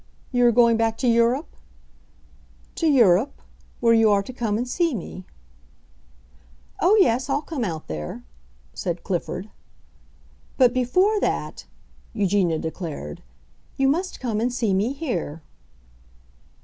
"You are going back to Europe?" "To Europe, where you are to come and see me." "Oh, yes, I'll come out there," said Clifford. "But before that," Eugenia declared, "you must come and see me here."